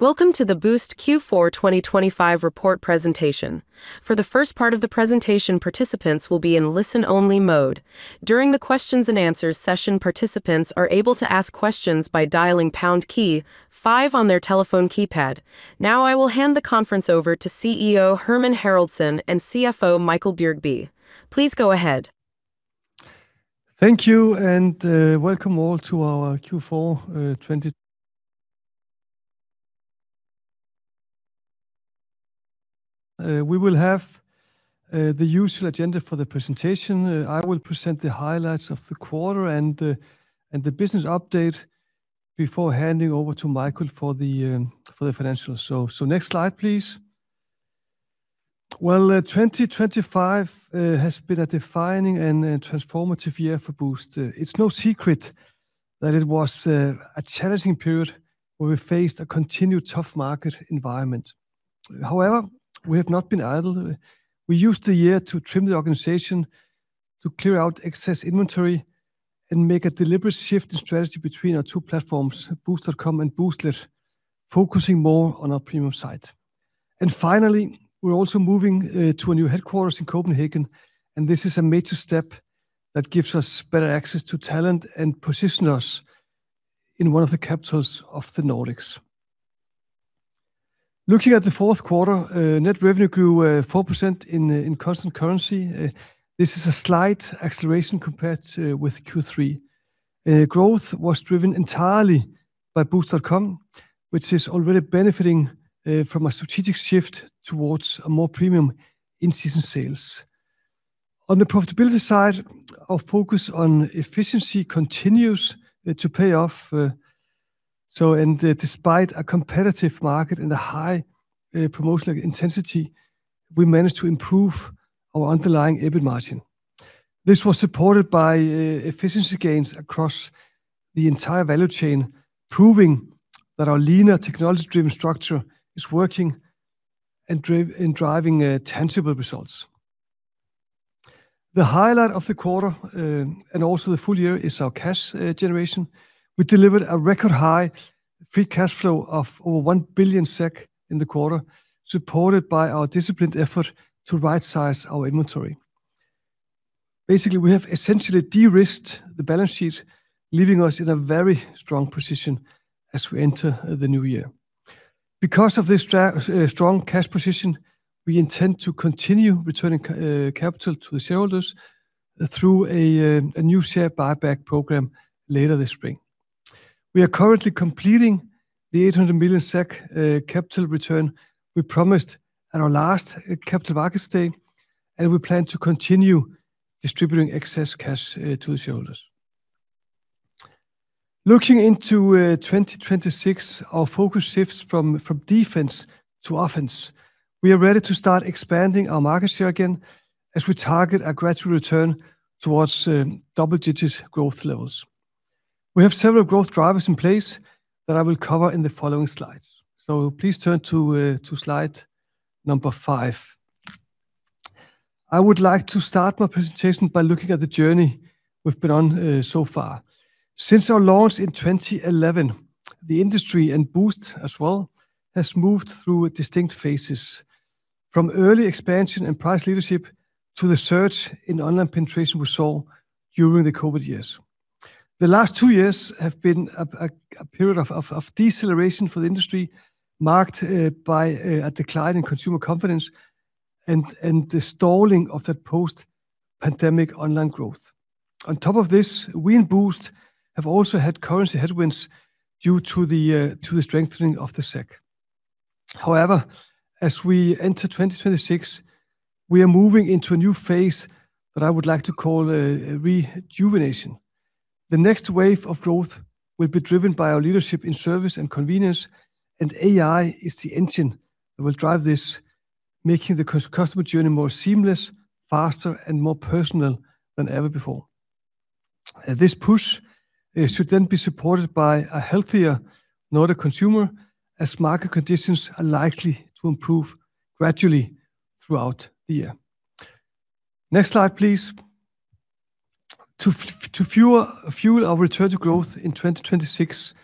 Welcome to the Boozt Q4 2025 report presentation. For the first part of the presentation, participants will be in listen-only mode. During the Q&A session, participants are able to ask questions by dialing pound key five on their telephone keypad. Now I will hand the conference over to CEO Hermann Haraldsson and CFO Michael Bjergby. Please go ahead. Thank you, and welcome all to our Q4 2025. We will have the usual agenda for the presentation. I will present the highlights of the quarter and the business update before handing over to Michael for the financials. So next slide, please. Well, 2025 has been a defining and transformative year for Boozt. It's no secret that it was a challenging period where we faced a continued tough market environment. However, we have not been idle. We used the year to trim the organization, to clear out excess inventory, and make a deliberate shift in strategy between our two platforms, Boozt.com and Booztlet, focusing more on our premium site. Finally, we're also moving to a new headquarters in Copenhagen, and this is a major step that gives us better access to talent and position us in one of the capitals of the Nordics. Looking at the fourth quarter, net revenue grew 4% in constant currency. This is a slight acceleration compared with Q3. Growth was driven entirely by Boozt.com, which is already benefiting from a strategic shift towards a more premium in-season sales. On the profitability side, our focus on efficiency continues to pay off. Despite a competitive market and a high promotional intensity, we managed to improve our underlying EBIT margin. This was supported by efficiency gains across the entire value chain, proving that our leaner, technology-driven structure is working and driving tangible results. The highlight of the quarter and also the full year is our cash generation. We delivered a record high free cash flow of over 1 billion SEK in the quarter, supported by our disciplined effort to right-size our inventory. Basically, we have essentially de-risked the balance sheet, leaving us in a very strong position as we enter the new year. Because of this strong cash position, we intend to continue returning capital to the shareholders through a new share buyback program later this spring. We are currently completing the 800 million SEK capital return we promised at our last Capital Markets Day, and we plan to continue distributing excess cash to the shareholders. Looking into 2026, our focus shifts from defense to offense. We are ready to start expanding our market share again as we target a gradual return towards double-digit growth levels. We have several growth drivers in place that I will cover in the following slides. So please turn to slide number five. I would like to start my presentation by looking at the journey we've been on so far. Since our launch in 2011, the industry and Boozt as well has moved through distinct phases, from early expansion and price leadership to the surge in online penetration we saw during the COVID years. The last two years have been a period of deceleration for the industry, marked by a decline in consumer confidence and the stalling of that post-pandemic online growth. On top of this, we in Boozt have also had currency headwinds due to the strengthening of the SEK. However, as we enter 2026, we are moving into a new phase that I would like to call rejuvenation. The next wave of growth will be driven by our leadership in service and convenience, and AI is the engine that will drive this, making the customer journey more seamless, faster, and more personal than ever before. This push should then be supported by a healthier Nordic consumer, as market conditions are likely to improve gradually throughout the year. Next slide, please. To fuel our return to growth in 2026,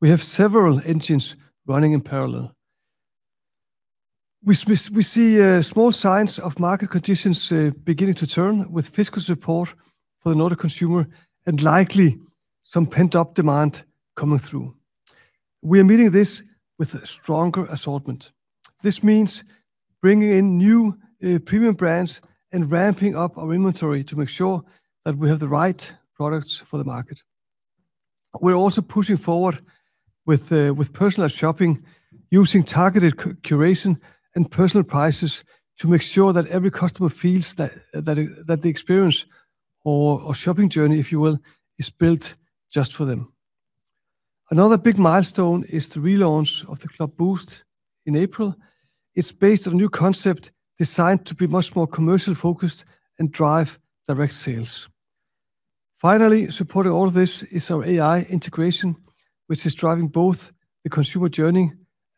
we have several engines running in parallel. We see small signs of market conditions beginning to turn with fiscal support for the Nordic consumer and likely some pent-up demand coming through. We are meeting this with a stronger assortment. This means bringing in new premium brands and ramping up our inventory to make sure that we have the right products for the market. We're also pushing forward with personalized shopping, using targeted curation and personal prices to make sure that every customer feels that the experience or shopping journey, if you will, is built just for them. Another big milestone is the relaunch of the Club Boozt in April. It's based on a new concept designed to be much more commercial-focused and drive direct sales. Finally, supporting all of this is our AI integration, which is driving both the consumer journey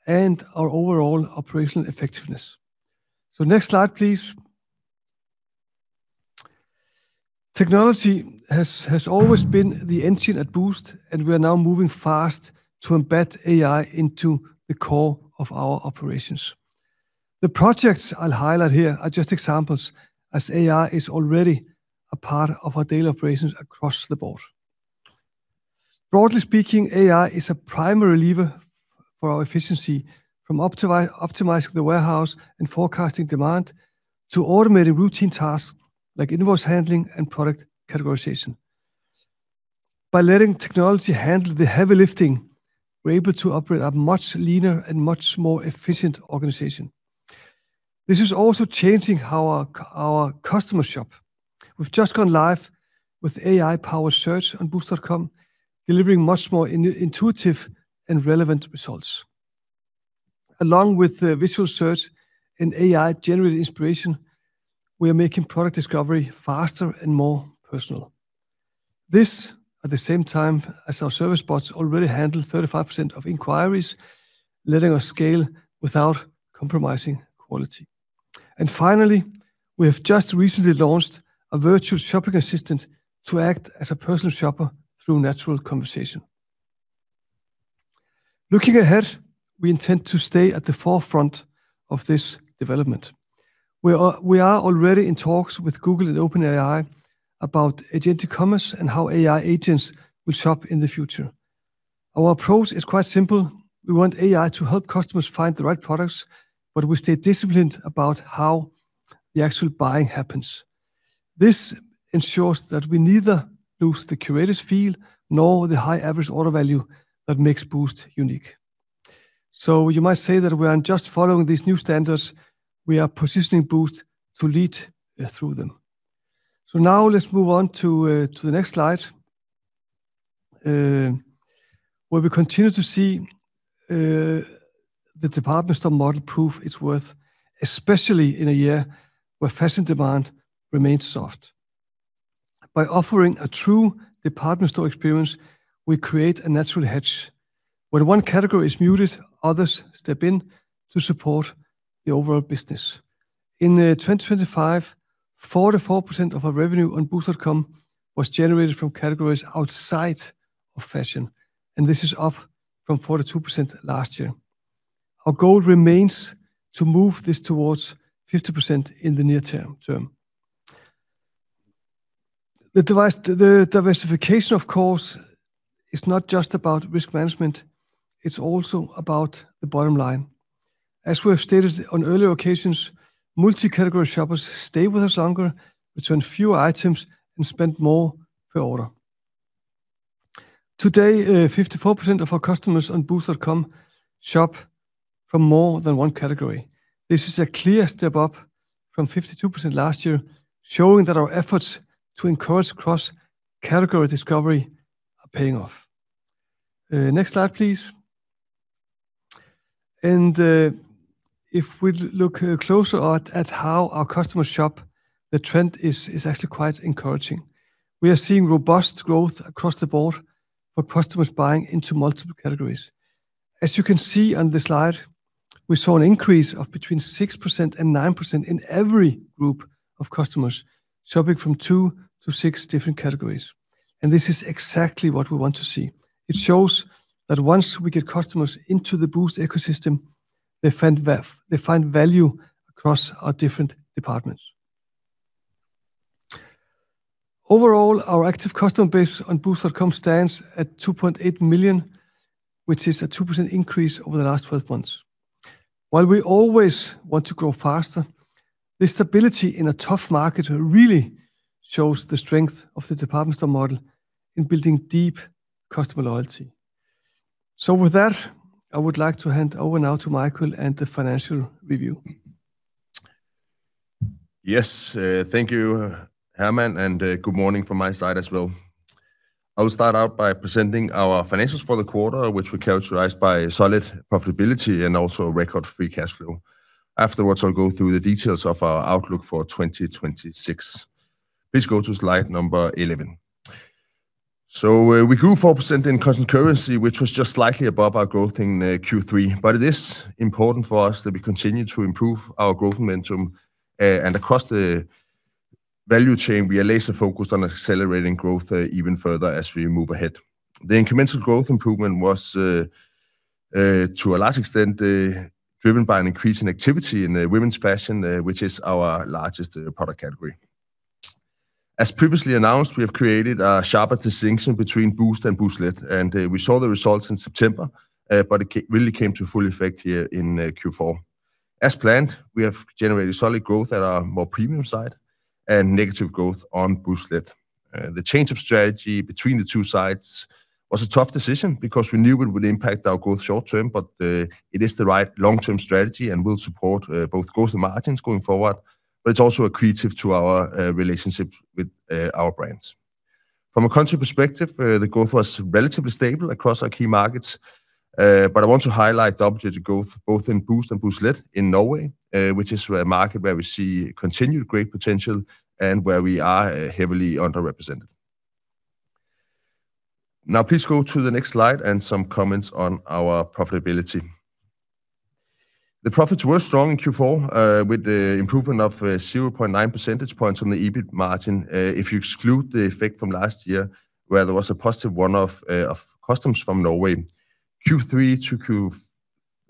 and our overall operational effectiveness. Next slide, please. Technology has always been the engine at Boozt, and we are now moving fast to embed AI into the core of our operations. The projects I'll highlight here are just examples, as AI is already a part of our daily operations across the board. Broadly speaking, AI is a primary lever for our efficiency, from optimizing the warehouse and forecasting demand to automating routine tasks like invoice handling and product categorization. By letting technology handle the heavy lifting, we're able to operate a much leaner and much more efficient organization. This is also changing how our customers shop. We've just gone live with AI-powered search on Boozt.com, delivering much more intuitive and relevant results. Along with visual search and AI-generated inspiration, we are making product discovery faster and more personal. This, at the same time as our service bots already handle 35% of inquiries, letting us scale without compromising quality. And finally, we have just recently launched a virtual shopping assistant to act as a personal shopper through natural conversation. Looking ahead, we intend to stay at the forefront of this development. We are already in talks with Google and OpenAI about agentic commerce and how AI agents will shop in the future. Our approach is quite simple. We want AI to help customers find the right products, but we stay disciplined about how the actual buying happens. This ensures that we neither lose the curated feel nor the high average order value that makes Boozt unique. So you might say that we are just following these new standards. We are positioning Boozt to lead through them. So now let's move on to the next slide, where we continue to see the department store model prove its worth, especially in a year where fashion demand remains soft. By offering a true department store experience, we create a natural hedge. When one category is muted, others step in to support the overall business. In 2025, 44% of our revenue on Boozt.com was generated from categories outside of fashion, and this is up from 42% last year. Our goal remains to move this towards 50% in the near term. The diversification, of course, is not just about risk management. It's also about the bottom line. As we have stated on earlier occasions, multi-category shoppers stay with us longer, return fewer items, and spend more per order. Today, 54% of our customers on Boozt.com shop from more than one category. This is a clear step up from 52% last year, showing that our efforts to encourage cross-category discovery are paying off. Next slide, please. And if we look closer at how our customers shop, the trend is actually quite encouraging. We are seeing robust growth across the board for customers buying into multiple categories. As you can see on the slide, we saw an increase of between 6%-9% in every group of customers shopping from two to six different categories. And this is exactly what we want to see. It shows that once we get customers into the Boozt ecosystem, they find value across our different departments. Overall, our active customer base on Boozt.com stands at 2.8 million, which is a 2% increase over the last 12 months. While we always want to grow faster, this stability in a tough market really shows the strength of the department store model in building deep customer loyalty. So with that, I would like to hand over now to Michael and the financial review. Yes. Thank you, Hermann, and good morning from my side as well. I will start out by presenting our financials for the quarter, which we characterize by solid profitability and also record free cash flow. Afterwards, I'll go through the details of our outlook for 2026. Please go to slide number 11. So we grew 4% in constant currency, which was just slightly above our growth in Q3. But it is important for us that we continue to improve our growth momentum. And across the value chain, we are laser-focused on accelerating growth even further as we move ahead. The incremental growth improvement was, to a large extent, driven by an increase in activity in women's fashion, which is our largest product category. As previously announced, we have created a sharper distinction between Boozt and Booztlet, and we saw the results in September, but it really came to full effect here in Q4. As planned, we have generated solid growth at our more premium side and negative growth on Booztlet. The change of strategy between the two sides was a tough decision because we knew it would impact our growth short-term, but it is the right long-term strategy and will support both growth and margins going forward. But it's also accretive to our relationship with our brands. From a country perspective, the growth was relatively stable across our key markets. But I want to highlight double-digit growth both in Boozt and Booztlet in Norway, which is a market where we see continued great potential and where we are heavily underrepresented. Now please go to the next slide and some comments on our profitability. The profits were strong in Q4 with the improvement of 0.9 percentage points on the EBIT margin, if you exclude the effect from last year, where there was a positive one-off customs from Norway. Q1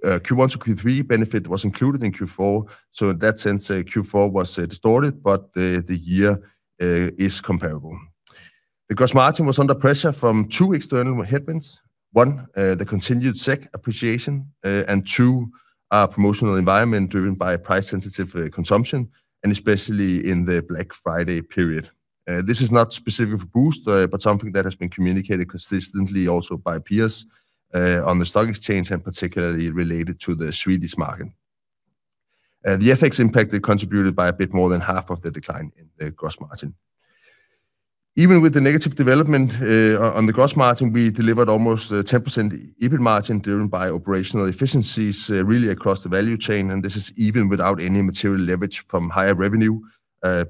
to Q3 benefit was included in Q4. So in that sense, Q4 was distorted, but the year is comparable. The gross margin was under pressure from two external headwinds: one, the continued SEK appreciation, and two, our promotional environment driven by price-sensitive consumption, and especially in the Black Friday period. This is not specific for Boozt, but something that has been communicated consistently also by peers on the stock exchange and particularly related to the Swedish market. The FX impact contributed by a bit more than half of the decline in the gross margin. Even with the negative development on the gross margin, we delivered almost 10% EBIT margin driven by operational efficiencies really across the value chain. This is even without any material leverage from higher revenue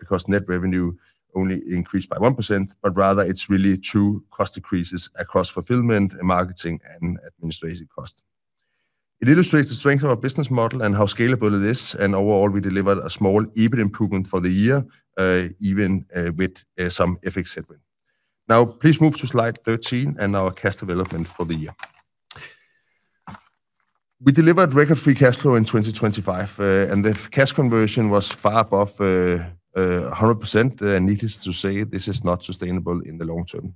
because net revenue only increased by 1%. But rather, it's really true cost decreases across fulfillment, marketing, and administrative cost. It illustrates the strength of our business model and how scalable it is. Overall, we delivered a small EBIT improvement for the year, even with some FX headwind. Now please move to slide 13 and our cash development for the year. We delivered record free cash flow in 2025, and the cash conversion was far above 100%. Needless to say, this is not sustainable in the long term.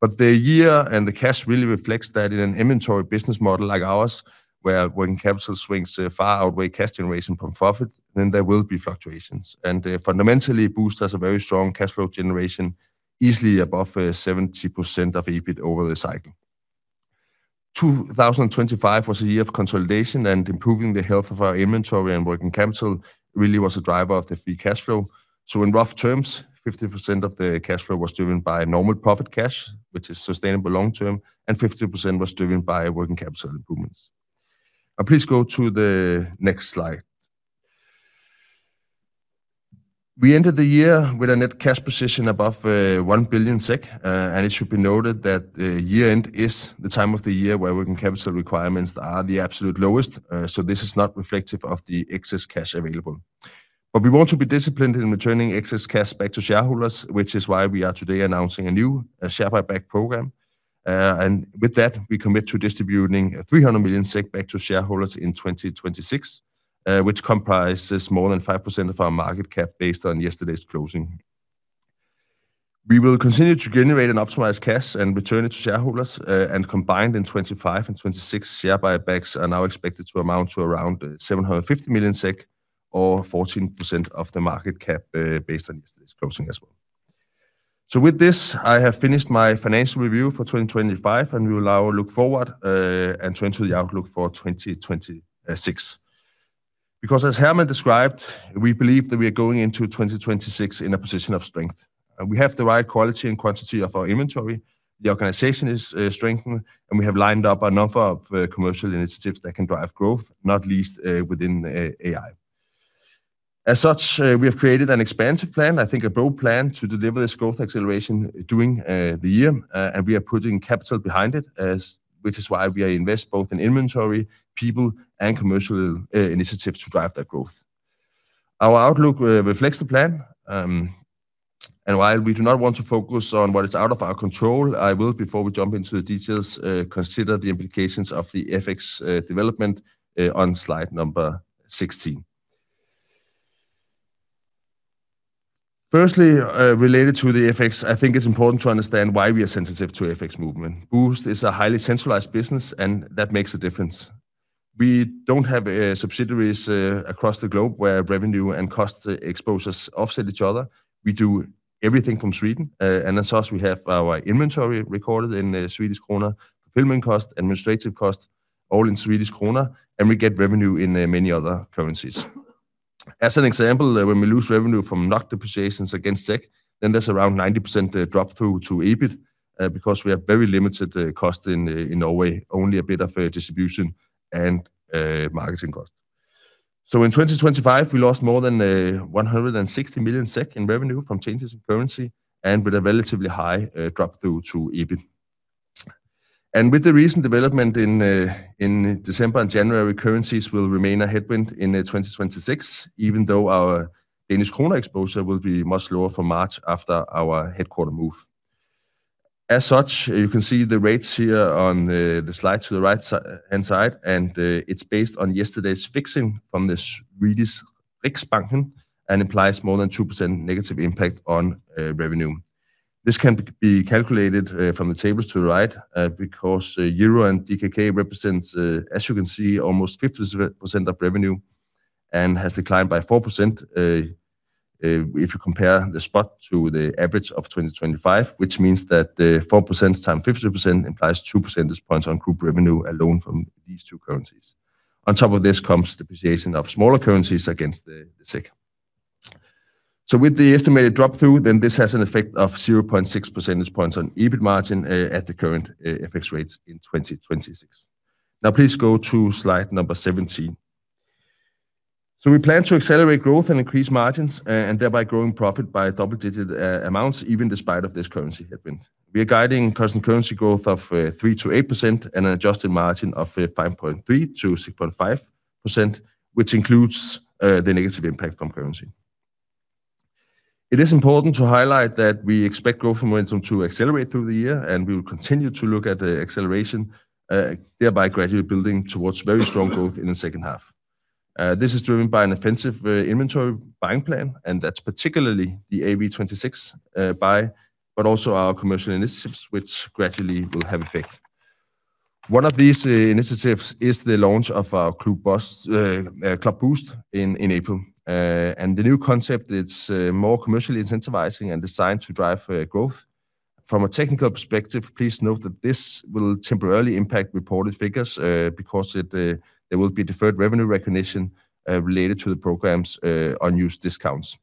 But the year and the cash really reflects that in an inventory business model like ours, where working capital swings far outweigh cash generation from profit, then there will be fluctuations. And fundamentally, Boozt has a very strong cash flow generation, easily above 70% of EBIT over the cycle. 2025 was a year of consolidation and improving the health of our inventory and working capital. It really was a driver of the free cash flow. So in rough terms, 50% of the cash flow was driven by normal profit cash, which is sustainable long-term, and 50% was driven by working capital improvements. And please go to the next slide. We entered the year with a net cash position above 1 billion SEK. And it should be noted that year-end is the time of the year where working capital requirements are the absolute lowest. This is not reflective of the excess cash available. But we want to be disciplined in returning excess cash back to shareholders, which is why we are today announcing a new share buyback program. With that, we commit to distributing 300 million SEK back to shareholders in 2026, which comprises more than 5% of our market cap based on yesterday's closing. We will continue to generate and optimize cash and return it to shareholders. Combined in 2025 and 2026, share buybacks are now expected to amount to around 750 million SEK or 14% of the market cap based on yesterday's closing as well. With this, I have finished my financial review for 2025, and we will now look forward and turn to the outlook for 2026. Because, as Hermann described, we believe that we are going into 2026 in a position of strength. We have the right quality and quantity of our inventory. The organization is strengthened, and we have lined up a number of commercial initiatives that can drive growth, not least within AI. As such, we have created an expansive plan, I think a broad plan, to deliver this growth acceleration during the year. We are putting capital behind it, which is why we invest both in inventory, people, and commercial initiatives to drive that growth. Our outlook reflects the plan. While we do not want to focus on what is out of our control, I will, before we jump into the details, consider the implications of the FX development on slide number 16. Firstly, related to the FX, I think it's important to understand why we are sensitive to FX movement. Boozt is a highly centralized business, and that makes a difference. We don't have subsidiaries across the globe where revenue and cost exposures offset each other. We do everything from Sweden. And as such, we have our inventory recorded in Swedish krona, fulfillment cost, administrative cost, all in Swedish krona. And we get revenue in many other currencies. As an example, when we lose revenue from NOK depreciations against SEK, then there's around 90% drop-through to EBIT because we have very limited cost in Norway, only a bit of distribution and marketing cost. So in 2025, we lost more than 160 million SEK in revenue from changes in currency and with a relatively high drop-through to EBIT. And with the recent development in December and January, currencies will remain a headwind in 2026, even though our Danish krone exposure will be much lower from March after our headquarters move. As such, you can see the rates here on the slide to the right-hand side. It's based on yesterday's fixing from the Swedish Riksbanken and implies more than 2% negative impact on revenue. This can be calculated from the tables to the right because euro and DKK represent, as you can see, almost 50% of revenue and has declined by 4% if you compare the spot to the average of 2025, which means that 4% times 50% implies two percentage points on group revenue alone from these two currencies. On top of this comes depreciation of smaller currencies against the SEK. So with the estimated drop-through, then this has an effect of 0.6 percentage points on EBIT margin at the current FX rates in 2026. Now please go to slide 17. So we plan to accelerate growth and increase margins and thereby growing profit by double-digit amounts even despite of this currency headwind. We are guiding constant currency growth of 3%-8% and an adjusted margin of 5.3%-6.5%, which includes the negative impact from currency. It is important to highlight that we expect growth momentum to accelerate through the year, and we will continue to look at the acceleration, thereby gradually building towards very strong growth in the second half. This is driven by an offensive inventory buying plan, and that's particularly the AW26 buy, but also our commercial initiatives, which gradually will have effect. One of these initiatives is the launch of our Club Boozt in April. And the new concept, it's more commercially incentivizing and designed to drive growth. From a technical perspective, please note that this will temporarily impact reported figures because there will be deferred revenue recognition related to the program's unused discounts.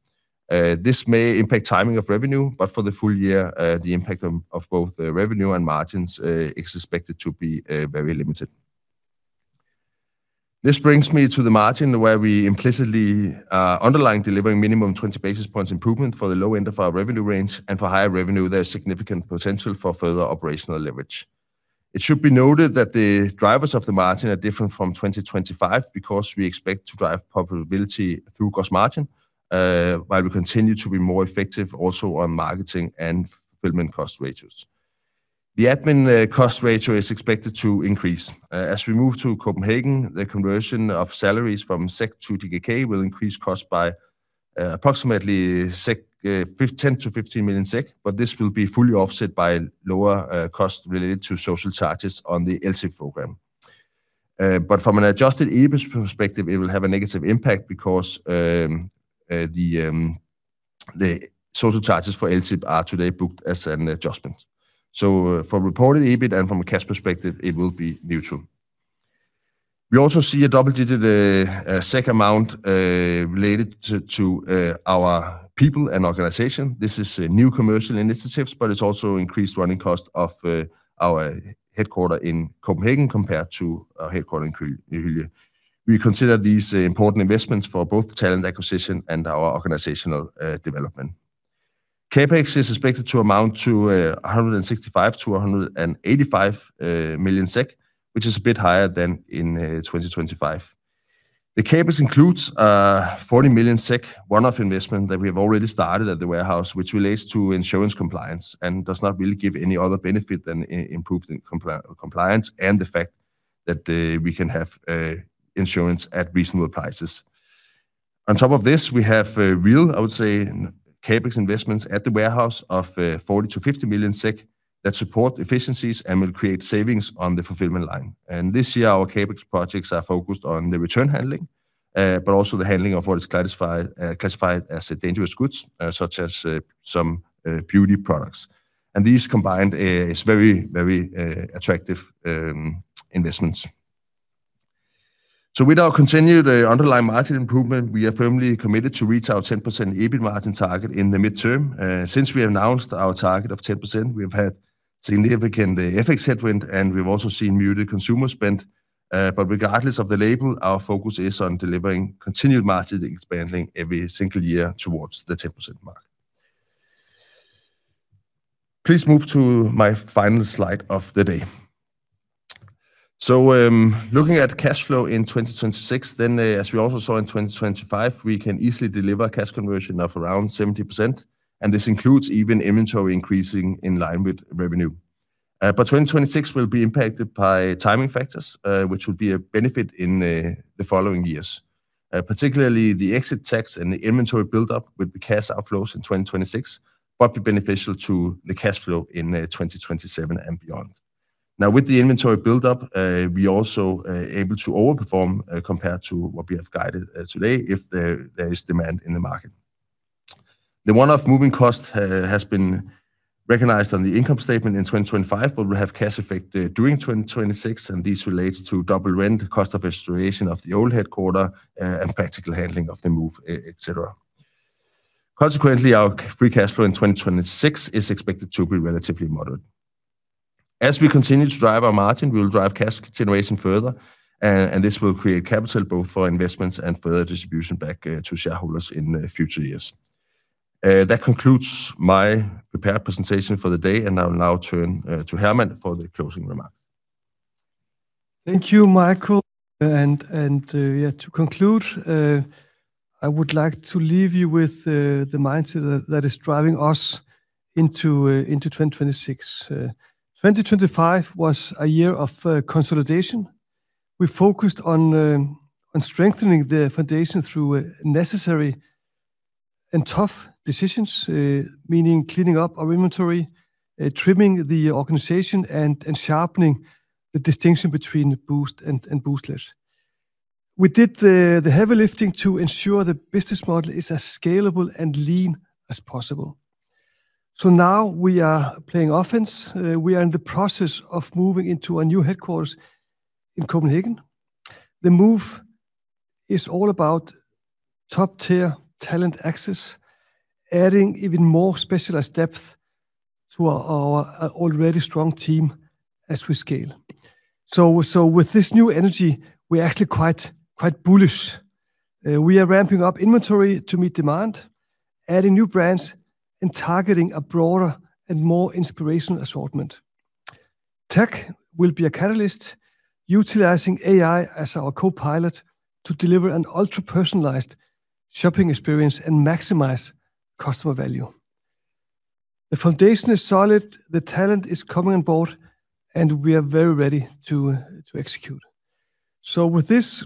This may impact timing of revenue, but for the full year, the impact of both revenue and margins is expected to be very limited. This brings me to the margin where we implicitly are underlying delivering minimum 20 basis points improvement for the low end of our revenue range. For higher revenue, there is significant potential for further operational leverage. It should be noted that the drivers of the margin are different from 2025 because we expect to drive profitability through gross margin, while we continue to be more effective also on marketing and fulfillment cost ratios. The admin cost ratio is expected to increase. As we move to Copenhagen, the conversion of salaries from SEK to DKK will increase costs by approximately 10-15 million SEK. But this will be fully offset by lower costs related to social charges on the LTIP program. But from an adjusted EBIT perspective, it will have a negative impact because the social charges for LTIP are today booked as an adjustment. So from reported EBIT and from a cash perspective, it will be neutral. We also see a double-digit SEK amount related to our people and organization. This is new commercial initiatives, but it's also increased running cost of our headquarters in Copenhagen compared to our headquarters in Hyllie. We consider these important investments for both talent acquisition and our organizational development. CapEx is expected to amount to 165-185 million SEK, which is a bit higher than in 2025. The CapEx includes a 40 million SEK one-off investment that we have already started at the warehouse, which relates to insurance compliance and does not really give any other benefit than improved compliance and the fact that we can have insurance at reasonable prices. On top of this, we have real, I would say, CapEx investments at the warehouse of 40 million-50 million SEK that support efficiencies and will create savings on the fulfillment line. And this year, our CapEx projects are focused on the return handling, but also the handling of what is classified as dangerous goods, such as some beauty products. And these combined are very, very attractive investments. So with our continued underlying market improvement, we are firmly committed to reach our 10% EBIT margin target in the midterm. Since we have announced our target of 10%, we have had significant FX headwind, and we've also seen muted consumer spend. But regardless of the label, our focus is on delivering continued market expanding every single year towards the 10% mark. Please move to my final slide of the day. So looking at cash flow in 2026, then as we also saw in 2025, we can easily deliver cash conversion of around 70%. And this includes even inventory increasing in line with revenue. But 2026 will be impacted by timing factors, which will be a benefit in the following years. Particularly, the exit tax and the inventory buildup with the cash outflows in 2026 would be beneficial to the cash flow in 2027 and beyond. Now, with the inventory buildup, we are also able to overperform compared to what we have guided today if there is demand in the market. The one-off moving cost has been recognized on the income statement in 2025, but we have cash effect during 2026. This relates to double rent, cost of restoration of the old headquarters, and practical handling of the move, etc. Consequently, our free cash flow in 2026 is expected to be relatively moderate. As we continue to drive our margin, we will drive cash generation further. This will create capital both for investments and further distribution back to shareholders in future years. That concludes my prepared presentation for the day. I will now turn to Hermann for the closing remarks. Thank you, Michael. And yeah, to conclude, I would like to leave you with the mindset that is driving us into 2026. 2025 was a year of consolidation. We focused on strengthening the foundation through necessary and tough decisions, meaning cleaning up our inventory, trimming the organization, and sharpening the distinction between Boozt and Booztlet. We did the heavy lifting to ensure the business model is as scalable and lean as possible. So now we are playing offense. We are in the process of moving into our new headquarters in Copenhagen. The move is all about top-tier talent access, adding even more specialized depth to our already strong team as we scale. So with this new energy, we are actually quite bullish. We are ramping up inventory to meet demand, adding new brands, and targeting a broader and more inspirational assortment. Tech will be a catalyst, utilizing AI as our co-pilot to deliver an ultra-personalized shopping experience and maximize customer value. The foundation is solid. The talent is coming on board, and we are very ready to execute. So with this,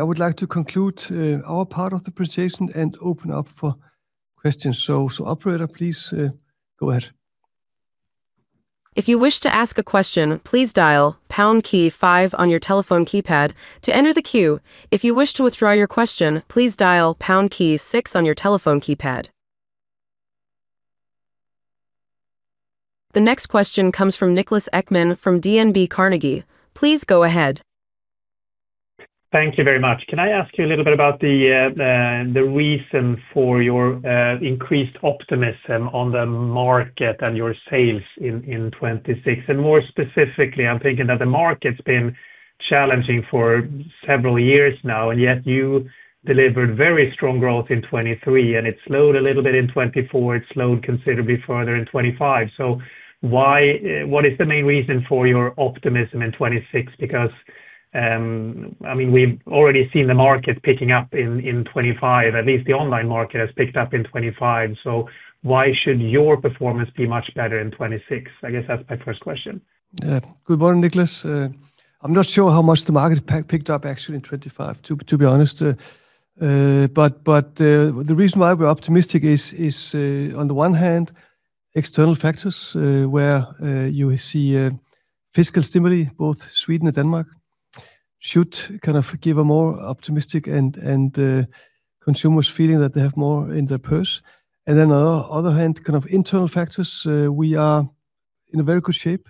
I would like to conclude our part of the presentation and open up for questions. So operator, please go ahead. If you wish to ask a question, please dial pound key five on your telephone keypad to enter the queue. If you wish to withdraw your question, please dial pound key 6 on your telephone keypad. The next question comes from Niklas Ekman from DNB Carnegie. Please go ahead. Thank you very much. Can I ask you a little bit about the reason for your increased optimism on the market and your sales in 2026? And more specifically, I'm thinking that the market's been challenging for several years now, and yet you delivered very strong growth in 2023. And it slowed a little bit in 2024. It slowed considerably further in 2025. So what is the main reason for your optimism in 2026? Because, I mean, we've already seen the market picking up in 2025. At least the online market has picked up in 2025. So why should your performance be much better in 2026? I guess that's my first question. Yeah. Good morning, Niklas. I'm not sure how much the market picked up, actually, in 2025, to be honest. But the reason why we're optimistic is, on the one hand, external factors where you see fiscal stimuli, both Sweden and Denmark, should kind of give a more optimistic and consumers feeling that they have more in their purse. And then, on the other hand, kind of internal factors. We are in a very good shape.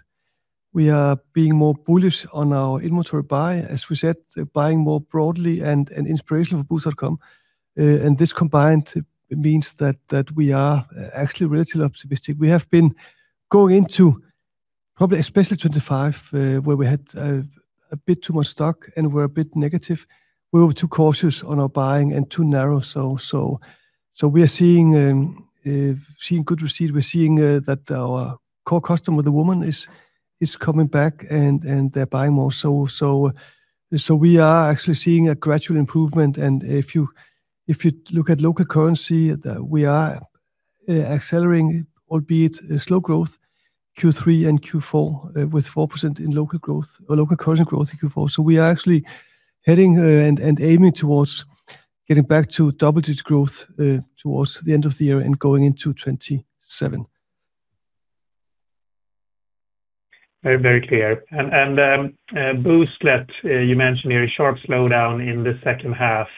We are being more bullish on our inventory buy, as we said, buying more broadly and inspirational for Boozt.com. And this combined means that we are actually relatively optimistic. We have been going into probably especially 2025, where we had a bit too much stock and were a bit negative. We were too cautious on our buying and too narrow. So we are seeing good receipt. We're seeing that our core customer, the woman, is coming back, and they're buying more. So we are actually seeing a gradual improvement. And if you look at local currency, we are accelerating, albeit slow growth, Q3 and Q4, with 4% in local growth or local currency growth in Q4. So we are actually heading and aiming towards getting back to double-digit growth towards the end of the year and going into 2027. Very clear. And Booztlet, you mentioned there is a sharp slowdown in the second half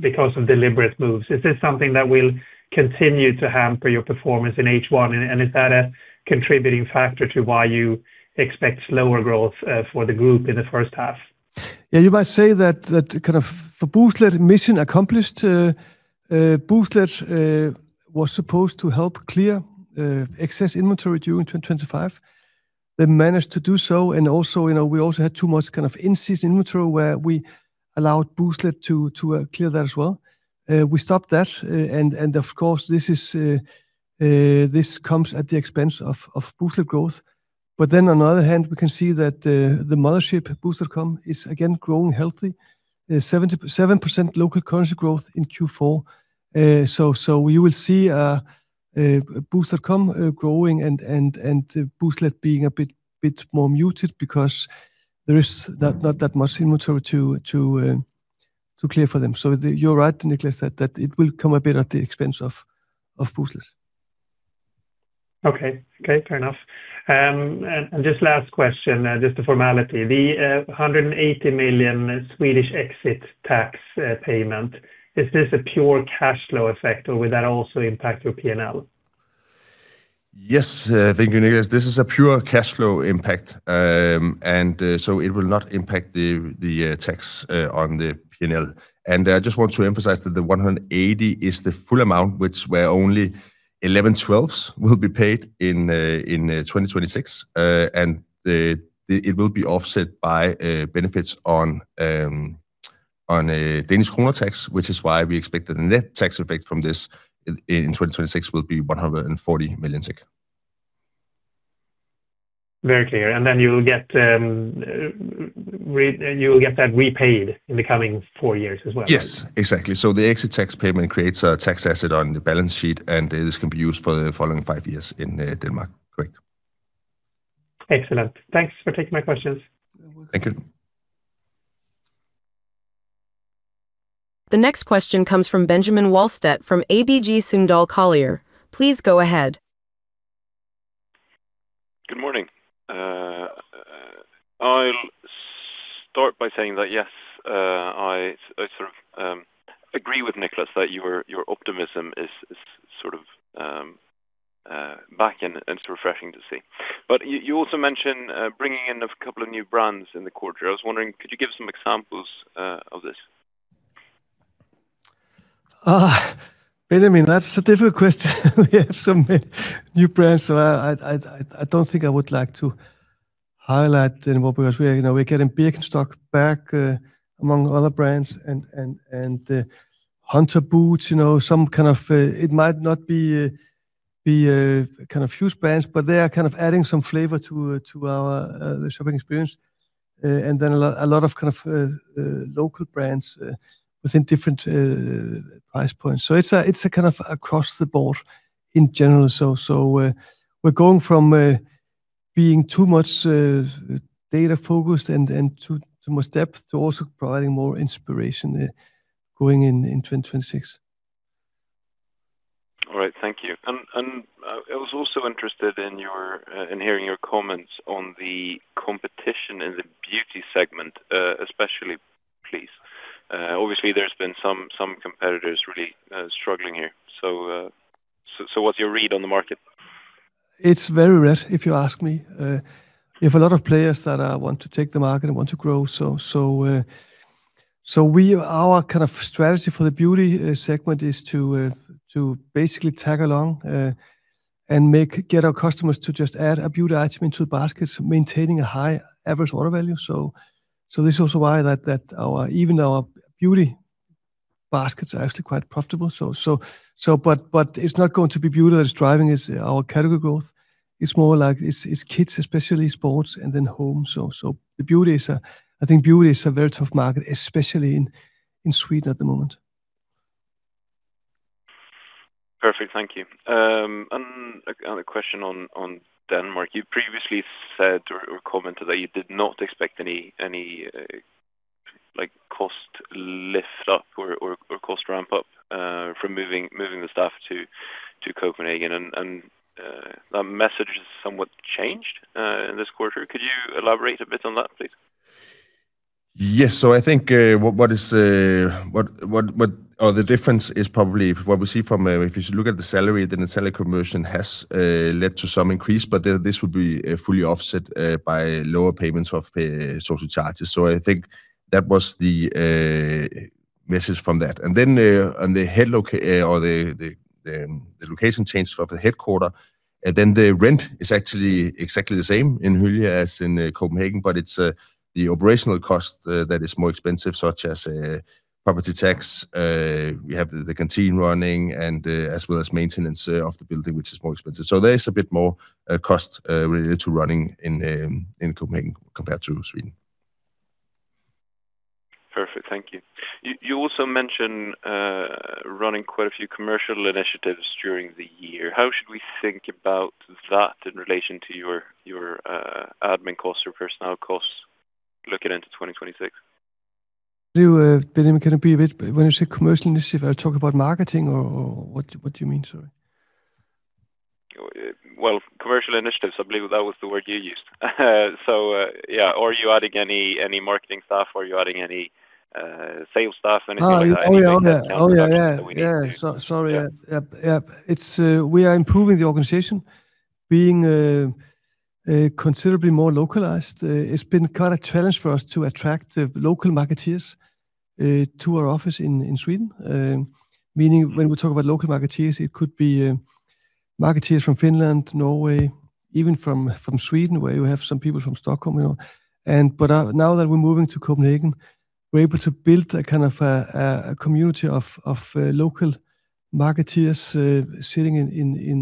because of deliberate moves. Is this something that will continue to hamper your performance in H1? And is that a contributing factor to why you expect slower growth for the group in the first half? Yeah. You might say that kind of for Booztlet, mission accomplished. Booztlet was supposed to help clear excess inventory during 2025. They managed to do so. And also, we also had too much kind of in-season inventory where we allowed Booztlet to clear that as well. We stopped that. And of course, this comes at the expense of Booztlet growth. But then, on the other hand, we can see that the mothership, Boozt.com, is again growing healthy, 7% local currency growth in Q4. So you will see Boozt.com growing and Booztlet being a bit more muted because there is not that much inventory to clear for them. So you're right, Niklas, that it will come a bit at the expense of Booztlet. Okay. Okay. Fair enough. Just last question, just a formality. The 180 million Swedish exit tax payment, is this a pure cash flow effect, or will that also impact your P&L? Yes. Thank you, Niklas. This is a pure cash flow impact. So it will not impact the tax on the P&L. I just want to emphasize that the 180 million is the full amount, where only 11/12s will be paid in 2026. It will be offset by benefits on Danish krone tax, which is why we expect that the net tax effect from this in 2026 will be 140 million. Very clear. And then you will get that repaid in the coming four years as well. Yes. Exactly. So the exit tax payment creates a tax asset on the balance sheet, and this can be used for the following five years in Denmark. Correct. Excellent. Thanks for taking my questions. Thank you. The next question comes from Benjamin Wahlstedt from ABG Sundal Collier. Please go ahead. Good morning. I'll start by saying that, yes, I sort of agree with Niklas that your optimism is sort of back, and refreshing to see. But you also mentioned bringing in a couple of new brands in the quarter. I was wondering, could you give some examples of this? Benjamin, that's a difficult question. We have so many new brands, so I don't think I would like to highlight them because we're getting Birkenstock back, among other brands, and Hunter Boots, some kind of it might not be kind of huge brands, but they are kind of adding some flavor to our shopping experience. And then a lot of kind of local brands within different price points. So it's a kind of across the board in general. So we're going from being too much data-focused and too much depth to also providing more inspiration going in 2026. All right. Thank you. I was also interested in hearing your comments on the competition in the beauty segment, especially. Please. Obviously, there's been some competitors really struggling here. What's your read on the market? It's very red, if you ask me. We have a lot of players that want to take the market and want to grow. So our kind of strategy for the beauty segment is to basically tag along and get our customers to just add a beauty item into the baskets, maintaining a high average order value. So this is also why even our beauty baskets are actually quite profitable. But it's not going to be beauty that is driving our category growth. It's more like it's kids, especially sports, and then home. So I think beauty is a very tough market, especially in Sweden at the moment. Perfect. Thank you. Another question on Denmark. You previously said or commented that you did not expect any cost lift-up or cost ramp-up from moving the staff to Copenhagen. That message has somewhat changed in this quarter. Could you elaborate a bit on that, please? Yes. So I think what is or the difference is probably what we see from if you look at the salary, then the salary conversion has led to some increase. But this would be fully offset by lower payments of social charges. So I think that was the message from that. And then on the head or the location change for the headquarters, then the rent is actually exactly the same in Hyllie as in Copenhagen. But it's the operational cost that is more expensive, such as property tax. We have the canteen running as well as maintenance of the building, which is more expensive. So there is a bit more cost related to running in Copenhagen compared to Sweden. Perfect. Thank you. You also mentioned running quite a few commercial initiatives during the year. How should we think about that in relation to your admin costs or personnel costs looking into 2026? So, Benjamin, can I be a bit when you say commercial initiative, are you talking about marketing or what do you mean? Sorry. Well, commercial initiatives, I believe that was the word you used. So yeah. Or are you adding any marketing staff? Are you adding any sales staff? Anything like that? Oh, yeah. Oh, yeah. Yeah. Yeah. Sorry. Yeah. Yeah. We are improving the organization, being considerably more localized. It's been quite a challenge for us to attract local marketers to our office in Sweden. Meaning, when we talk about local marketers, it could be marketers from Finland, Norway, even from Sweden, where you have some people from Stockholm. But now that we're moving to Copenhagen, we're able to build a kind of a community of local marketers sitting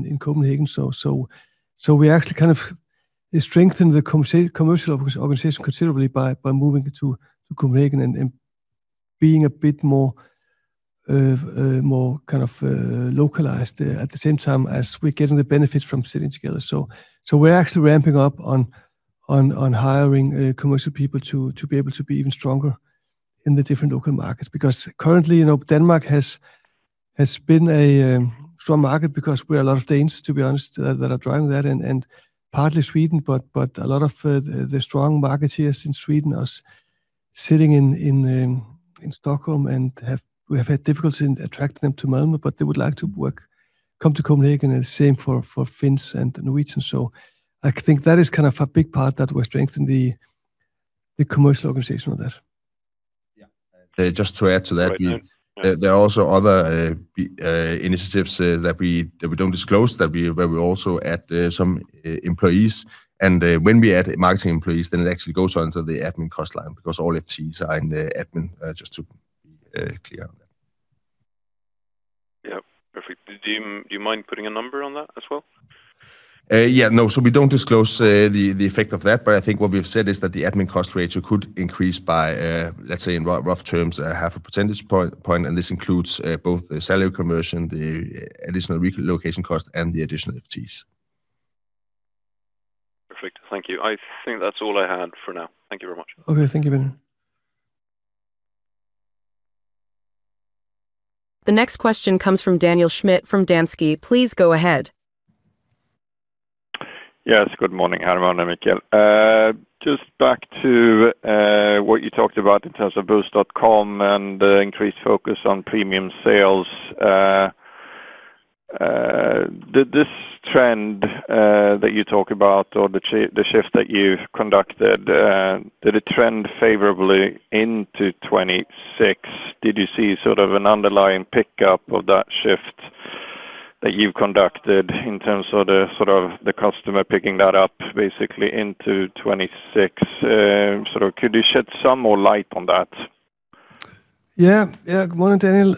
in Copenhagen. So we actually kind of strengthened the commercial organization considerably by moving to Copenhagen and being a bit more kind of localized at the same time as we're getting the benefits from sitting together. So we're actually ramping up on hiring commercial people to be able to be even stronger in the different local markets. Because currently, Denmark has been a strong market because we're a lot of Danes, to be honest, that are driving that, and partly Sweden. But a lot of the strong marketeers in Sweden are sitting in Stockholm, and we have had difficulty in attracting them to Malmö, but they would like to come to Copenhagen. And the same for Finns and Norwegians. So I think that is kind of a big part that we're strengthening, the commercial organization on that. Yeah. Just to add to that, there are also other initiatives that we don't disclose, where we also add some employees. And when we add marketing employees, then it actually goes onto the admin cost line because all FTEs are in the admin, just to be clear on that. Yeah. Perfect. Do you mind putting a number on that as well? Yeah. No. So we don't disclose the effect of that. But I think what we've said is that the admin cost ratio could increase by, let's say, in rough terms, 0.5 percentage point. And this includes both the salary conversion, the additional relocation cost, and the additional FTEs. Perfect. Thank you. I think that's all I had for now. Thank you very much. Okay. Thank you, Benjamin. The next question comes from Daniel Schmidt from Danske Bank. Please go ahead. Yeah. It's good morning, Hermann and Michael. Just back to what you talked about in terms of Boozt.com and the increased focus on premium sales. This trend that you talk about or the shift that you conducted, did it trend favorably into 2026? Did you see sort of an underlying pickup of that shift that you've conducted in terms of sort of the customer picking that up, basically, into 2026? Sort of could you shed some more light on that? Yeah. Yeah. Good morning, Daniel.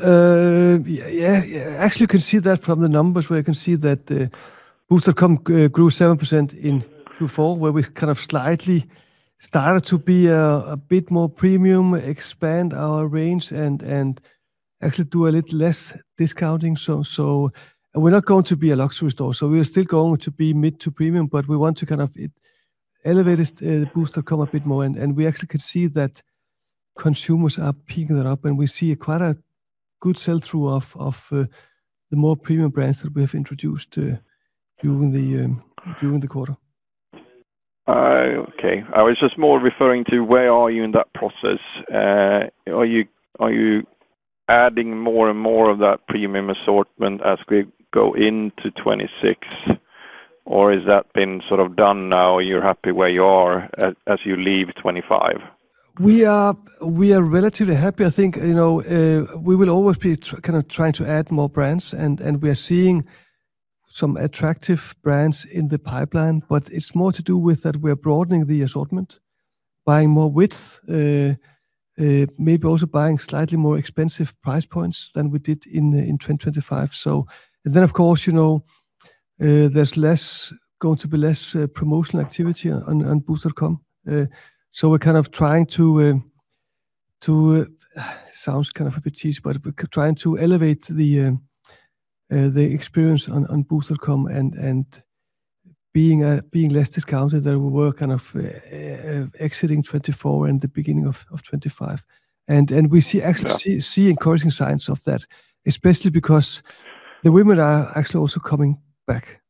Yeah. Actually, you can see that from the numbers, where you can see that Boozt.com grew 7% in Q4, where we kind of slightly started to be a bit more premium, expand our range, and actually do a little less discounting. So we're not going to be a luxury store. So we are still going to be mid to premium, but we want to kind of elevate Boozt.com a bit more. And we actually can see that consumers are picking that up, and we see quite a good sell-through of the more premium brands that we have introduced during the quarter. Okay. I was just more referring to where are you in that process? Are you adding more and more of that premium assortment as we go into 2026, or has that been sort of done now, and you're happy where you are as you leave 2025? We are relatively happy. I think we will always be kind of trying to add more brands. And we are seeing some attractive brands in the pipeline. But it's more to do with that we are broadening the assortment, buying more width, maybe also buying slightly more expensive price points than we did in 2025. And then, of course, there's going to be less promotional activity on Boozt.com. So we're kind of trying to sounds kind of a bit cheesy, but trying to elevate the experience on Boozt.com and being less discounted that we were kind of exiting 2024 and the beginning of 2025. And we actually see encouraging signs of that, especially because the women are actually also coming back.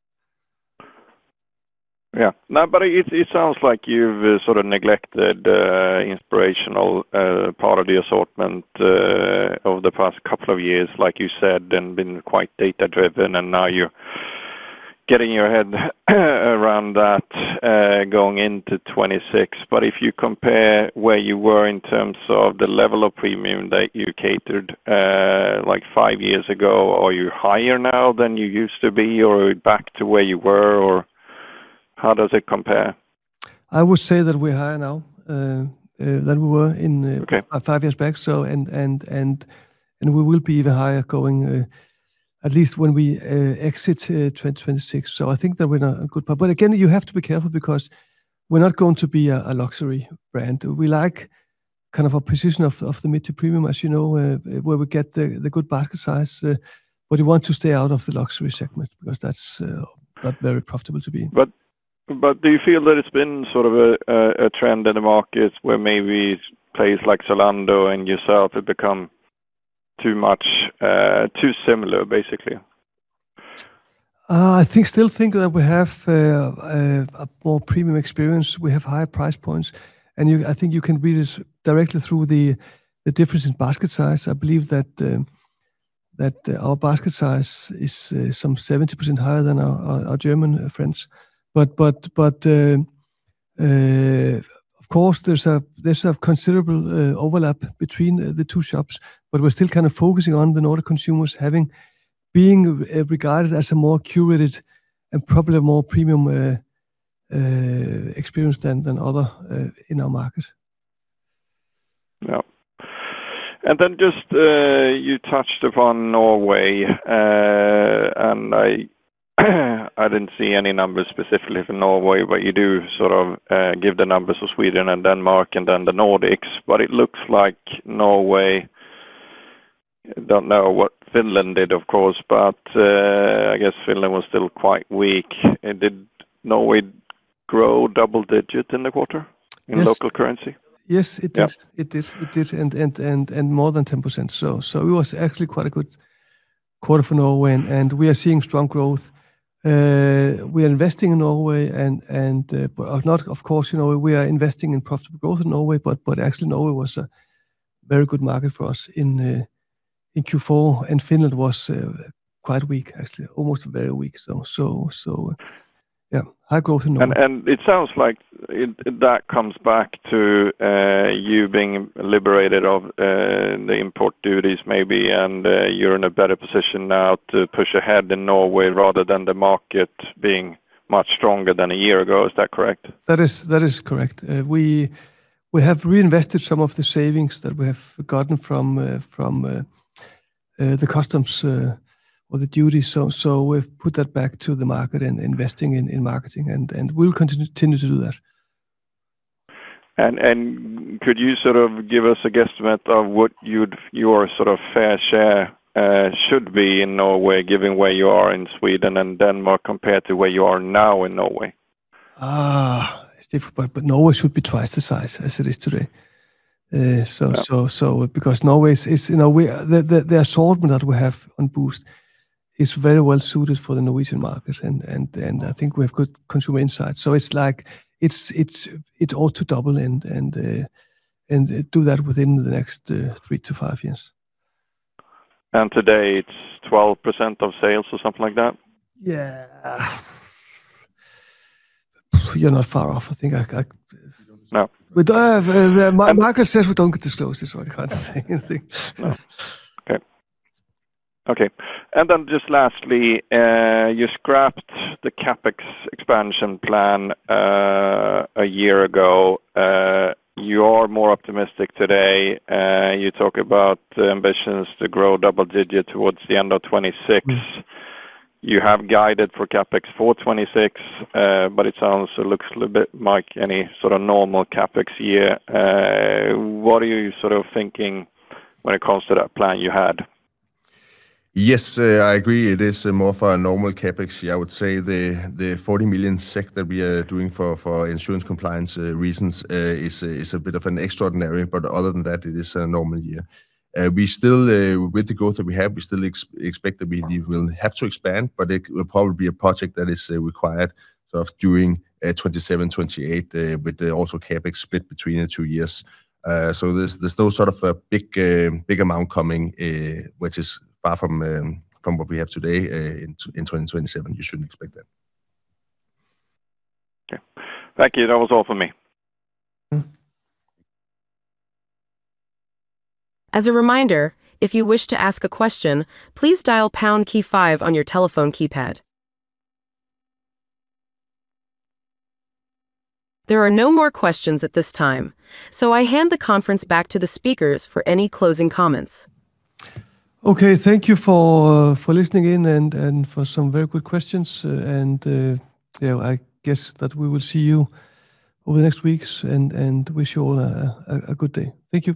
Yeah. No, but it sounds like you've sort of neglected the inspirational part of the assortment over the past couple of years, like you said, and been quite data-driven. And now you're getting your head around that going into 2026. But if you compare where you were in terms of the level of premium that you catered like five years ago, are you higher now than you used to be, or back to where you were, or how does it compare? I would say that we're higher now than we were five years back. We will be even higher going, at least when we exit 2026. I think that we're in a good part. But again, you have to be careful because we're not going to be a luxury brand. We like kind of a position of the mid to premium, as you know, where we get the good basket size, but we want to stay out of the luxury segment because that's not very profitable to be. But do you feel that it's been sort of a trend in the markets where maybe places like Zalando and yourself have become too similar, basically? I still think that we have a more premium experience. We have higher price points. I think you can read it directly through the difference in basket size. I believe that our basket size is some 70% higher than our German friends. But of course, there's a considerable overlap between the two shops. But we're still kind of focusing on the Nordic consumers being regarded as a more curated and probably a more premium experience than other in our market. Yeah. And then just you touched upon Norway. And I didn't see any numbers specifically for Norway, but you do sort of give the numbers for Sweden and Denmark and then the Nordics. But it looks like Norway, I don't know what Finland did, of course, but I guess Finland was still quite weak. Did Norway grow double-digit in the quarter in local currency? Yes. Yes, it did. It did. It did. And more than 10%. So it was actually quite a good quarter for Norway. And we are seeing strong growth. We are investing in Norway. But of course, we are investing in profitable growth in Norway. But actually, Norway was a very good market for us in Q4. And Finland was quite weak, actually, almost very weak. So yeah, high growth in Norway. It sounds like that comes back to you being liberated of the import duties, maybe, and you're in a better position now to push ahead in Norway rather than the market being much stronger than a year ago. Is that correct? That is correct. We have reinvested some of the savings that we have gotten from the customs or the duties. We've put that back to the market and investing in marketing. We'll continue to do that. Could you sort of give us a guesstimate of what your sort of fair share should be in Norway, given where you are in Sweden and Denmark compared to where you are now in Norway? It's difficult. But Norway should be twice the size as it is today. So because Norway is the assortment that we have on Boozt is very well suited for the Norwegian market. And I think we have good consumer insights. So it's like it's all to double and do that within the next 3-5 years. Today, it's 12% of sales or something like that? Yeah. You're not far off, I think. My market says we don't get disclosed. That's why I can't say anything. Okay. Okay. Then just lastly, you scrapped the CapEx expansion plan a year ago. You are more optimistic today. You talk about ambitions to grow double-digit towards the end of 2026. You have guided for CapEx for 2026, but it looks a little bit like any sort of normal CapEx year. What are you sort of thinking when it comes to that plan you had? Yes, I agree. It is more for a normal CapEx year. I would say the 40 million SEK that we are doing for insurance compliance reasons is a bit of an extraordinary. But other than that, it is a normal year. With the growth that we have, we still expect that we will have to expand. But it will probably be a project that is required sort of during 2027, 2028, with also CapEx split between the two years. So there's no sort of a big amount coming, which is far from what we have today. In 2027, you shouldn't expect that. Okay. Thank you. That was all from me. As a reminder, if you wish to ask a question, please dial pound key five on your telephone keypad. There are no more questions at this time, so I hand the conference back to the speakers for any closing comments. Okay. Thank you for listening in and for some very good questions. And yeah, I guess that we will see you over the next weeks and wish you all a good day. Thank you.